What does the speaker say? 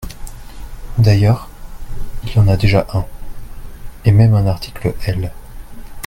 D’ailleurs, il y en a déjà un, et même un article L.